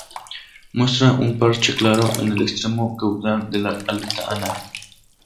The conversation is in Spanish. Muestra un parche claro en el extremo caudal de la aleta anal.